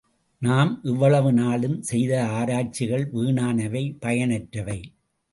நாம் இவ்வளவு நாளும் செய்த ஆராய்ச்சிகள் வீணானவை, பயனற்றவை.